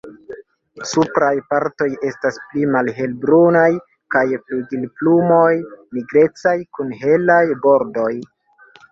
Supraj partoj estas pli malhelbrunaj kaj flugilplumoj nigrecaj kun helaj bordoj.